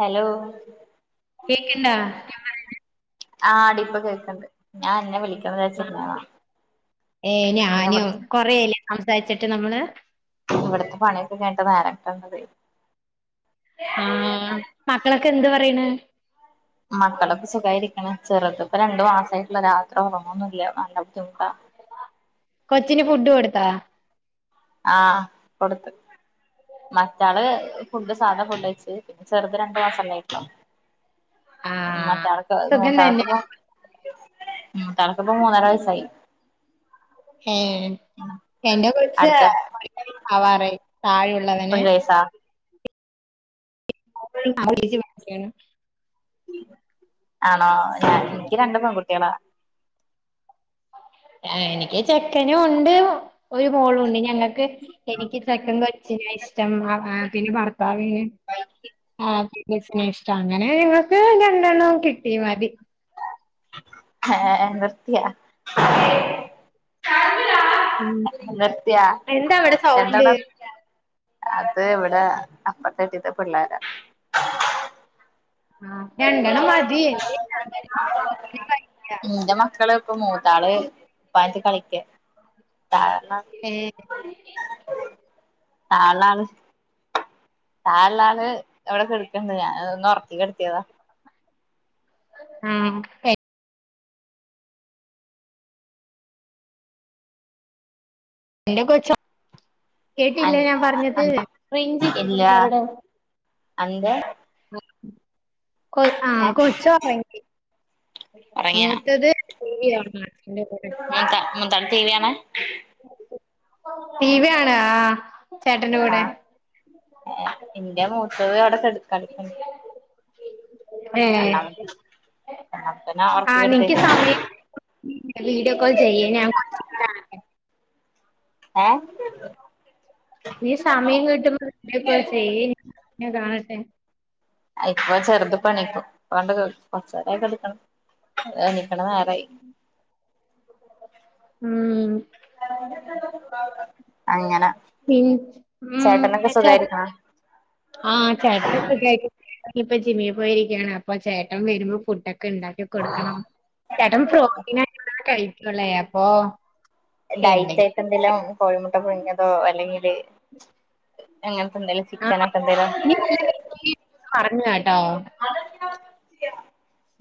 Hello കേക്ക്ണ്ടാ കേൾക്കുണ്ടോ? ആടിപ്പൊ കേൾക്കണ്ട് ഞാൻ അന്നെ വിളിക്ക കനം [unintelligible] ച്ചിരുന്നത പിന്നെ കൊ കൊറേആയിലെ സംസാരിച്ചിട്ട് നമ്മള് ഇവിടത്തെ പണിയൊക്കെ കഴിഞ്ഞിട്ട് നേരം കിട്ടുന്നത് ആഹ് മക്കളൊക്കെ എന്ത് പറയണ് [inaudible] മക്കളൊക്കെ സുഖായിട്ടിരിക്കണ് ചെറുത് ഇപ്പ രണ്ടു മാസമായിട്ടുള്ളൂ രാത്രി ഉറക്കമൊന്നുംല്ല നല്ല ബുദ്ധിമുട്ടാ കൊച്ചിന് ഫുഡ് കൊടുത്താ ആഹ് കൊടുത്ത് മറ്റാള് ഫുഡ് സാധാ ഫുഡ്കഴിച്ചു ചെറുതിന് രണ്ട് മാസല്ലായിട്ടോള്ളൂ ആ മറ്റാൾക്ക് സുഖം മുത്താൾക്കു തന്നെ പോ ഉം മൂത്താൾക്കിപ്പോ മൂന്നര വയസ്സായി ഏഹ് എന്റെ കൊച് അടുത്ത [unintelligible] ആവാറായി താഴെയുള്ളവന് ഒരു വയസാ [unintelligible] ആണോ ഞാൻ എനിക്ക് രണ്ട് പെൺകുട്ടിയാളാ ആ എനിക്ക് ചെക്കനും ഉണ്ട് ഒരു മോളും ഉണ്ട് ഞങ്ങൾക്ക് എനിക്ക് ചെക്കൻ കൊ നെ ഇഷ്ടം പിന്നെ ഭർത്താവിന് ആ [unintelligible] ഇഷ്ടം അങ്ങനെ ഞങ്ങക്ക് രണ്ടെണ്ണം കിട്ടി മതി ഹെ ഹേ നിർത്തിയോ? [inaudible] ഉം നിർത്തിയോ എന്താ അവിടെ സൗണ്ട് രണ്ടെണ്ണം? അത് ഇവിടെ അപ്പുറത്തെ വീട്ടിൽത്തെ പിള്ളേരാ ആഹ് രണ്ടണ്ണം മതി എനിക്ക് അങ്ങനെ കഴിക്ക ഇന്റെ മക്കള് ഇപ്പൊ മൂത്താള് ഇപ്പാന്റത്തു കളിക്ക തായെന്നാ ഏഹ് [unintelligible] ആള് താഴെഉള്ളാൾ ഇവിടെ കിടക്കുണ്ട് ഞാൻ ഒന്ന് ഉറക്കി കിടത്തിയത ഉം എ എന്റെ കൊച്ച് കേട്ടില്ലേ ഞാൻ പറഞ്ഞത് റേഞ്ച് ഇല്ല ഇല്ലേ ഇവടേ അന്റെ അഹ് കൊ ആഹ് കൊച്ചു ഉറങ്ങി ഒറങ്ങിയാ മൂത്തത് ടി വി കാണ അച്ചന്റെ കൂടെ [unintelligible] മൂത്താള് ടി വി കാണാ ടി വി കാണാ ആഹ് ചേട്ടന്റെ കൂടെ ആഹ് എന്റെ മൂത്തത് അവിടെ കിടക്കണ്ട് ഏഹ് രണ്ടാമത്തെ രണ്ടാമത്തെന്നെ ഞാൻ ഉറക്കി ആഹ് നിക്ക് കിടത്തേക്ക സമയം വീഡിയോ കോൾ ചെയ് ഞൻ കാ ഏഹ് ഈ സമയം കിട്ടുമ്പോ വിഡിയോ കാൾ ചെയ് ഞാൻ കാണട്ടെ ഇപ്പ ചെറുത് പ്പൊ എണീക്കും കൊറച്ചെരയ് കെടക്ണ് എണീക്കണ നേരായി ഉം [unintelligible] അങ്ങനെ പിൻ ഉം ചേട്ടനൊക്കെ ചേട്ടൻ സുഖായിരിക്കണോ ആഹ് ചേട്ടൻ സുഗായിട്ടിരിക്ണ് ഇപ്പോ ജിമ്മി പോയിരിക്കാണ് അപ്പൊ ചേട്ട വരുമ്പോ ഫുഡൊക്കെ ണ്ടാക്ക കൊടുക്കണം ചേട്ടം പ്രോട്ടീനൊക്കെള്ളതാ കഴിക്കൂല്ലേ അപ്പൊ എന്തെങ്കിലും ഡൈറ്റായിട്ടെന്തേലും കോഴിമുട്ട പുഴ്ങ്ങിയതോ അല്ലെങ്കില് അങ്ങനത്തെന്തേലും ആ ചിക്കനൊക്കെ എന്തേലോ നീ നല്ല പറഞ്ഞു കേട്ടോ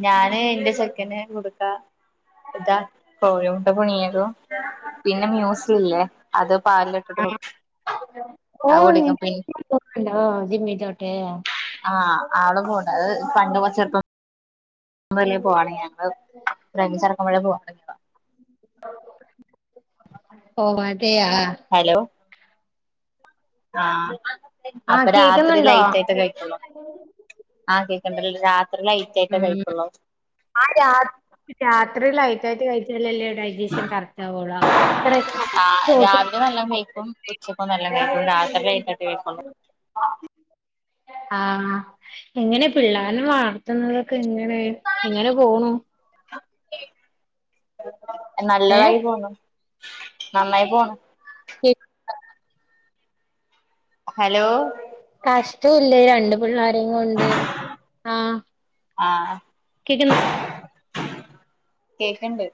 ഞാന് ന്റെ ചെക്കന് കൊട്ക്കാ എജ്ജാ കോഴിമുട്ട പുഴ്ങ്ങിയതും പിന്നെ മ്യുസ്സ്ല്ലേ അത് പാലില്ട്ട്ട്ട് ആ കൊട് അവ്ട്ക്കും പിൻ ആഹ് ജിമ്മിച്ചോട്ടേയാ ആഹ് ആള് പോൺണ്ട് അത് പണ്ട്മൊ ചെർപ്പം ഒന്നുല്ലേ പോവ്വാണേ ഞങ്ങള് ഒരഞ്ചരാക്കുമ്പളേ പോകാതുടങ്ങിയതാ ഓഹ് അതെയാ ഹലോ ആഹ് ആ അപ്പ രാത്രി കേക്കുന്നുണ്ടോ ലൈറ്റായ്ട്ടെ കഴിക്ക്വൊള്ള് ആഹ് കേക്ക്ൺണ്ട് രാത്രി ലൈറ്റായ്ട്ടേ കഴിക്ക്വൊള്ള് ആഹ് രാത് രാത്രി ലൈറ്റായ്ട്ട് കയ്ച്ചാലല്ലേ ഡൈ ജഷൻ കറക്റ്റാവൊള്ള അപ്പൊ അത്രെക്കെ മതി [unintelligible] പ്പൊ നല്ലോം കേയ്ക്കും ഉച്ചക്കുംനല്ലോം കൈക്കും രാത്രി ലൈറ്റായിട്ടെ കൈയ്ക്ക്വൊള്ളു ആഹ് എങ്ങനെ പിള്ളാര്നെ വളർത്ത്ന്നതൊക്കെങ്ങനെ എങ്ങനെ പോണു ഏഹ് നല്ലതായ് പോണു നന്നായ് പോണ് കേക്ക്ൺണ്ടാ ഹലോ കഷ്ട്ടെയ്ല്ലേ രണ്ട് പിള്ളാരേം കൊണ്ട് ആഹ് ആഹ് കേക്ക്ന്ന് കേക്ക്ൺണ്ട്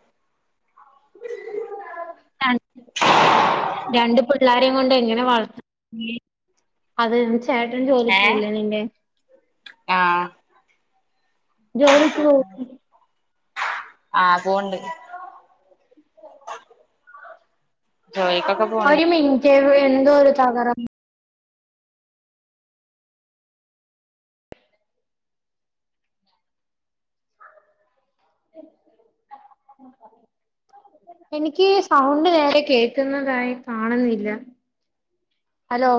ഞാൻ രണ്ട് പിള്ളാരേം കൊണ്ട് എങ്ങനെ വളർത്തന്നെ അതാഞാൻ ചോദ് ചേട്ടൻ ജോലിക്ക് ഏഹ് പോയ്ല്ലെ നിന്റെ ആഹ് ജോലിക്ക് പോവ്ന്ന്ല്ലെ ആഹ് പോൺണ്ട് ഒര് മിൻറ്റെ വ് എന്തോര് തകരാ എനിക്ക് സൗണ്ട് നേരെ കേക്കുന്നതായ് കാണ്ന്ന്ല്ല ഹലോ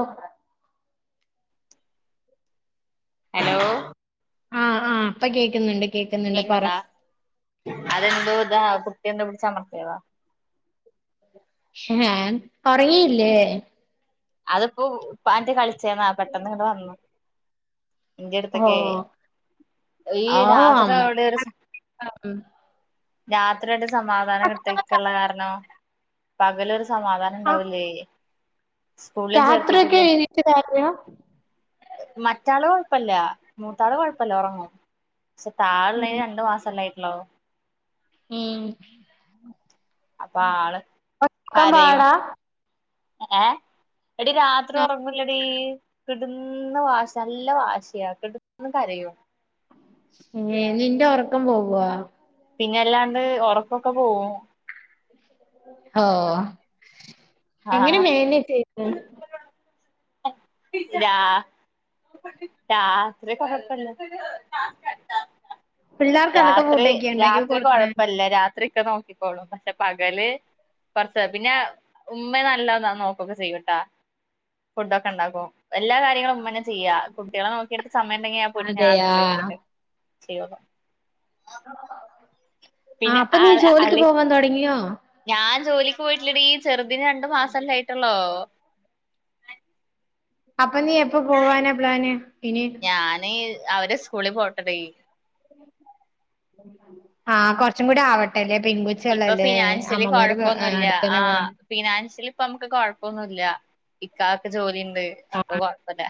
അലോ ആഹ് ആഹ് പ്പം കേക്ക്ന്ന്ണ്ട് പ്പംകേക്ക്ൺണ്ടാ അതെന്തോ താ കുട്ട്യെന്തോ പിടിച്ചമർത്ത്യയതാ ഒറങ്ങീലെ അത്പ്പം ഉപ്പാന്റെ കളിച്ച്ര്ന്ന പെട്ടന്ന്ങ്ങ്ട് വന്ന് ഇന്റെട്ത്ത്ക്കേ ഓഹ് ഒയ്യ്‌ ആഹ് രാത്രി അമ്മ അവ്ടെരു സം ഉം രാത്രിയ്ട്ട് സമാധാനം കിട്ട്യക്ക്ള്ള കാരണം പകലൊര് ആഹ് സമാധാനംണ്ടാവൂലേ രാത്രിയൊക്കെ എനീറ്റ്കര്യാ മറ്റാള് കൊഴപ്പ്ല്ല മൂത്താള് കൊഴപ്പ്ല്ല ഒറങ്ങും ശ്ശെ താഴെള്ള്തിന് രണ്ടു മാസല്ലെയ്ട്ടൊള്ളു ഏഹ് അപ്പൊ ആള് കരയും പാടാ ഏഹ് എടീ രാത്രി ഒറങ്ങൂലടീ കെട്ന്ന് വാശാ നല്ല വാശ്യാ കെട്ന്ന് കരയും ഏഹ് നിന്റെ ഒറക്കം പോവ്വാ പിന്നല്ലാണ്ട് ഒറക്കൊക്കെ പോവും ഓഹ് എങ്ങനെ ആഹ് മേനേജ്ജെയ്യ്‌ന്ന് രാ രാത്രി കൊഴപ്പല്ല [unintelligible] പിള്ളേർക്ക് എന്തൊക്കെ രാത്രി ഫുഡൊക്കെയാ ഇണ്ടാക്കി രാത്രി കൊടുക്കണേ കൊഴപ്പല്ല രാത്രി ഇക്ക നോക്കിക്കോളും പക്ഷെ പകല് കുറച്ച് പിന്നെ ഉമ്മ നല്ലാ നോക്കൊക്കെ ചെയ്യട്ടാ ഫുഡ് ഒക്കെ ഇണ്ടാക്കും എല്ലാ കാര്യങ്ങളും ഉമ്മന്നെ ചെയ്യാ കുട്ടികളെ നോക്കിയിട്ട് സമയണ്ടെങ്കിൽ ഞാൻ പോയിട്ട് ഞാൻ അതെയാ അട്ക്കളയിൽ പോയിട്ട് ചെയ്യുള്ളു ആ പിന്നെ അപ്പൊ നീ ജോലിക്ക് അളി പോവാൻ തുടങ്ങിയോ ഞാൻ ജോലിക്ക് പോയിട്ടില്ലടീ ചെറുതിന് രണ്ടു മാസല്ലേ ആയിട്ടൊള്ളോ അപ്പൊ നീ എപ്പ പോവാനാ പ്ലാന് ഇനി ഞാന് അവര് സ്കൂളിൽ പോട്ടടീ ആഹ് കൊറച്ചും കൂടി ആവട്ടല്ലെ പെൺകു ഇപ്പൊ ഫിനാൻഷ്യലി കൊഴപ്പൊന്നുല്ല ആ അടുത്തന്നെ പോണം ഫിനാൻഷ്യലി ഇപ്പൊ നമ്മക്ക് കൊഴപ്പൊന്നുല്ല ഇക്കാക്കൊക്കെ ജോലിണ്ട് അപ്പൊ ആഹ് കൊഴപ്പില്ല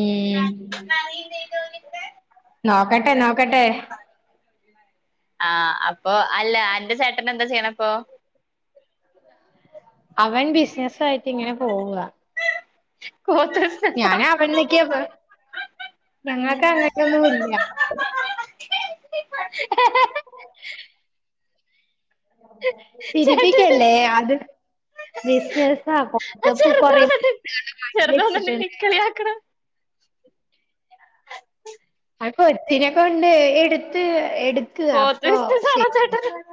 ഉം [unintelligible] നോക്കട്ടെ നോക്കട്ടേ ആഹ് അപ്പൊ അല്ല അന്റെ ചേട്ടന് എന്താ ചെയ്യണെ പ്പൊ അവൻ ബിസിനസ് ആയിട്ട് ഇങ്ങനെ പോവാ [unintelligible] ഞാന അവൻ ന്നൊക്കെ ഞങ്ങൾക്ക് അങ്ങനെയൊന്നും ഇല്ല [unintelligible] ചേട്ടന് ചിരിപ്പിക്കല്ലേ അത് ബിസിനസ് ആ ആ ചെറുത് കൊറേ വന്നിട്ട് [unintelligible] ചെറുത് വന്നിട്ട് ഇന്നെ വെച്ചിട്ടുണ്ട് കളിയാക്കണ് ആ ഒരുത്തിനെ കൊണ്ട് എടുത്ത് എടു പോത്ത് [unintelligible]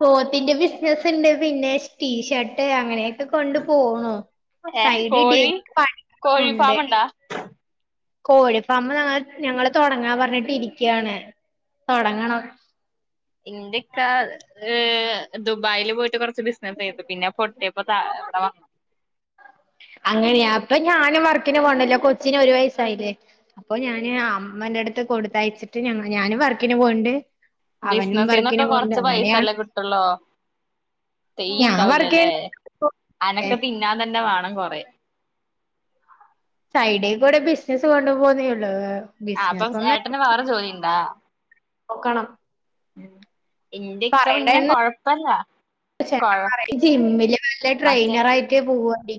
പോത്തിന്റെ ബിസിനസ് ഉണ്ട് പിന്നെ ടീഷർട്ട് അങ്ങനെ കൊണ്ട് പോണു ഏഹ് സൈഡ് കോഴി [unintelligible] കോഴി ഉണ്ട് ഫാമുണ്ടാ കോഴി ഫാമ് ഞ ഞങ്ങള്ൾതുടങ്ങാ പറഞ്ഞിട്ട് ഇരിക്കയാണ് തുടങ്ങണം ഇന്റെ ഇക്കാ ദുബായിൽ പോയിട്ട് കുറച്ച് ബിസിനസ്സ് ചെയ്ത് പിന്നെ പൊട്ടി [unintelligible] അങ്ങനെയാ അപ്പൊ ഞാനും വർക്കിന് പോണല്ലോ കൊച്ചിന് ഒരു വയസ്സായില്ലേ അപ്പൊ ഞാന് അമ്മന്റെ അടുത്ത് കൊടുത്തയച്ചിട്ട് ഞങ്ങ ഞാനും വർക്കിന് പോവുണ്ട് അവനും വർക്കിനും പോവ്ണ്ട് അങ്ങനെയാണ് വിട്ടുള്ളോ ഫ്രീ ഞാൻ വർക്ക് ഉണ്ടാവൂലല്ലേ ചെയ്യ അനക്ക തിന്നാതന്നെ വേണം കൊറേ സൈഡേ കൂടെ ബിസിനസ്സ് കൊണ്ടു പോവന്നേള്ളൂ ആ അപ്പൊ ചേട്ടന് വേറെ ജോലിണ്ടാ പറയണ്ടായിന്ന് കൊഴ ചേട്ടൻ പറയ ജിമ്മില് വല്ല മറ്റേന് ട്രെയിനറായി ക്കെ പോവേ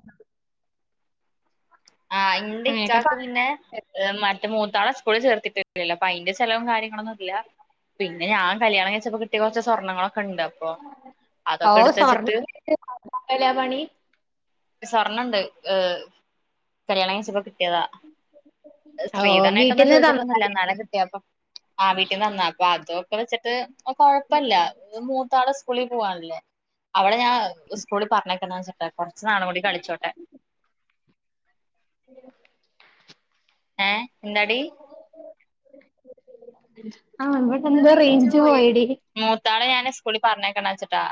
ആ അങ്ങനെയൊക്കെ ഇന്റെക്കാക്ക് പറഞ്ഞ പിന്നെ മറ്റ മൂത്തോളെ സ്കൂള് ചേർത്തിട്ടില്ലല്ലോ അപ്പൊ അയിന്റെ ചെലവും കാര്യങ്ങളൊന്നും ഇല്ല പിന്നെ ഞാ കല്യാണം കഴിച്ചപ്പോ കിട്ടിയ കുറച്ച് സ്വർണ്ണങ്ങളൊക്കെണ്ട് അപ്പൊ ഓ അതൊക്കെ എടുത്തെച്ചിട്ട് സ്വർണ്ണം പണി സ്വർണ്ണംണ്ട് ഏ കല്യാണം കഴിച്ചപ്പോ കിട്ടിയതാ ഓ സ്ത്രീധനായിട്ടൊന്നും വീട്ടിൽന്ന് ചോദിച്ചിട്ടൊന്നില്ല തന്നതല്ലേ എന്നാലും കിട്ടിയപ്പൊ ആഹ വീട്ടിൽന്ന് തന്നാ അപ്പൊ അതൊക്കെ വെച്ചിട്ട് കൊഴപ്പില്ല മൂതാള് സ്കൂളിൽ പോവാനല്ലേ അവളെ ഞാൻ സ്കൂളിൽ പറഞ്ഞേക്കണ്ടച്ചിട്ട കുറച്ച് നാളും കൂടി കളിച്ചോട്ടെ ഏ എന്താടി ആ എന്തോ റേഞ്ച് പോയടി മൂത്താളെ ഞാൻ സ്കൂളിൽ പറഞ്ഞേക്കണ്ട വെച്ചിട്ടാ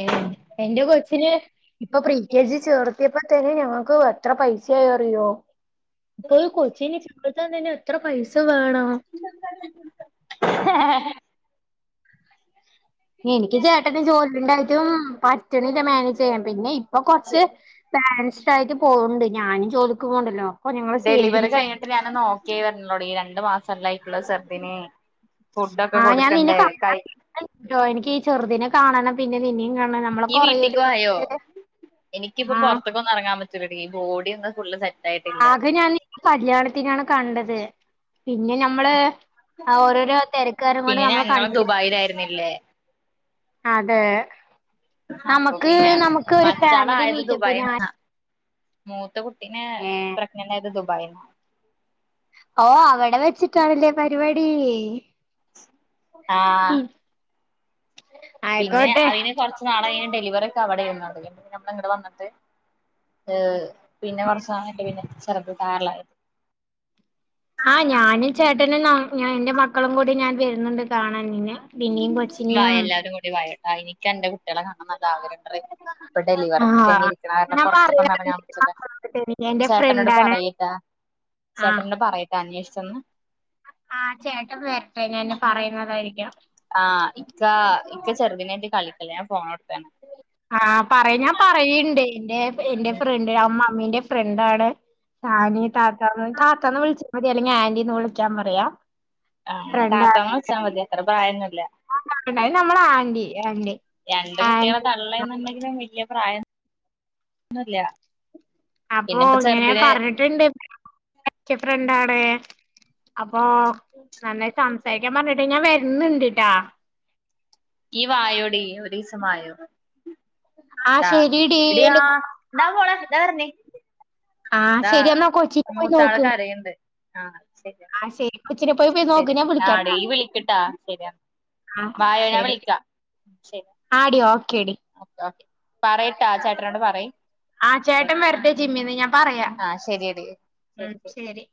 ഏഹ് എന്റെ കൊച്ചിന് ഇപ്പൊ പ്രി കെ ജി ചേർത്തിയപ്പോ തന്നെ ഞങ്ങക്ക് എത്ര പൈസ ആയിന്നറിയോ? അപ്പൊ കൊച്ചിന് ചേർത്താ തന്നെ എത്ര പൈസ വേണം [unintelligible] എനിക്ക് ചേട്ടന് ജോലി ഉണ്ടായിട്ടും പറ്റണില്ല മാനേജ് ചെയ്യൻ പിന്നെ ഇപ്പൊ കൊറച്ച് ബാലൻസ്ൻസിടായിട്ട് പോകണ്ട് ഞാനും ജോലിക്കുപോവണ്ടല്ലോ ഡെലിവറി കഴിഞ്ഞിട്ട് ഞാൻ ഓക്കിയായി വരുന്നുള്ളു ഈ രണ്ടു മാസം ചെല്ലായിക്കുള്ള സർദിനെ ഫുഡ ഒക്കെ ആ ഞാൻ നിന്നെ കൊടുക്കണ്ടേ കാണാൻ കൈ [unintelligible] എനിക്ക് ഈ ചെറുദിനെ കാണാണം പിന്നെ നിന്നേം ഈ വീട്ടിക്ക് വായോ ആ എനിക്കിപ്പോപുറത്തേക്കൊന്നും ഇറങ്ങാൻ പറ്റൂലഡി ബോഡി ഒന്ന് ഫുള് സെറ്റ് ആയിട്ടില്ല ആകെ ഞാൻ കല്യാണത്തിനാണ് കണ്ടത് പിന്നെ ഞ നമ്മള് ഓരോരോ തിരക്കാരണം കൊണ്ട് നമ്മൾ കണ്ട ഭായിലായിരുന്നില്ലേ അതെ അപ്പൊ നമുക്ക് പിന്നെ നമുക്ക് ഒരു ഫാമിലി മറ്റാളായത് മീറ്റപ്പ് ദുബായി ഞാൻ മൂത്ത കുട്ടീനെ പ്രഗ്നന്റായത് ദുബായിന്ന ഓഹ് അവിടെ വെച്ചിട്ടാണല്ലേ പരിപാടി ആഹ് ഉം പിന്നെ അതിന് കുറച്ച് നാളായി ഡെലിവറി ഒക്കെ അവിടെ വന്നണ്ട് നമ്മൾ ഇങ്ങടെ വന്നട്ട് പിന്നെ കുറച്ച നാളൊക്കെ പിന്നെ ചെറത് ത [unintelligible] ആ ഞാനും ചേട്ടനും എന്റെ മക്കളും കൂടി ഞാൻ വരുന്നുണ്ട് കാണാൻ നിന്നെ നിന്നിയും പൊച്ചിനിയും [unintelligible] ഒരു വയസ്സായി ഇക് അന്റെ കുട്ടികളെ കാനണമ്ന്നു നല്ല ആഗ്രഹണ്ടടീ ഇപ്പ ആ ഡെലിവറികെ കഴിഞ്ഞിരിക്ക കാരണം ഞാൻ പുറത്തൊകൊന്നും ഇറങ്ങാൻ പറ്റില്ല പറയാറുണ്ട് എന്റെ ചേട്ടനോട് ഫ്രണ്ടാണ് പറയ ട്ടോ ആ ചേട്ടനോട് പറയ്ട്ടോ അന്വേഷിച്ചന്ന് ആഹ് ചേട്ട വരട്ടെ ഞാൻ പറയുന്നതായിരിക്കാം ആഹ് ഇക്ക ഇക്ക ചെറുതിനായിട്ട കളിക്ക ഞാൻ ഫോണോടുത്തന്ന ആഹ് പറയാ ഞാൻ പറയുണ്ട് എൻന്റെ എൻന്റെ ഫ്രണ്ട് മ്മമ്മീ ന്റെ ഫ്രണ്ടാണ് സാനി താത്താന്ന് താത്താന്ന് വിളിച്ചാൽ മതി അല്ലെങ്കിൽ ആന്റീന്ന് വിളിക്കാൻ പറയാ ആ ഫ്രണ്ടാ താത്താ ന്ന് വിളിച്ചാൽ മതി അത്ര പ്രായന്നുല്ല അത് നമ്മളെ ആന്റി ആന്റി രണ്ട് കുട്ടികളെ ആന്റി തള്ള എന്നുണ്ടെങ്കിലും വല്യ പ്രായംന്നുല്ല അപ്പൊ ഇങ്ങനെ പറഞ്ഞിട്ടുണ്ട് പച്ച ഫ്രണ്ടാണ് അപ്പൊ നന്നായി സംസാരിക്കാൻ പറഞ്ഞിട്ട് ഞാൻ വരുന്നുണ്ടിട്ടാ ഈ വായോടീ ഒരു ദിവസവായോ ആഹ് ട്ടോ ശെരിടി എടി ആ എന്റെ ഇതാ മോളെ ഇദാ പറണ് ആഹ് ഇതാ ശരി എന്നാ കൊച്ചിനെ പോയി മൂത്താള് നോക്ക് കരയുണ്ട് ആഹ് ശരി എന്നാ ആഹ് ശരി കൊച്ചിനെ പോയി പോയി ശരി നോക്ക് ഞാൻ ആടീ വിളിക്കാട്ടാ ഇയ്യ് വിളിക്കട്ടാ ശരി എന്നാ ആഹ് വായോ ഞാൻ വിളിക്കാം ശരി ആ ടീ ഓക്കെ ടീ ഓക്കെ ഓക്കെ പറയട്ടോ ചേട്ടനോട് പറയ് ആഹ് ചേട്ടൻ വരട്ടെ ജിമ്മിന്ന് ഞാൻ പറയാ ഉം ശരി